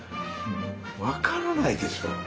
分からないでしょ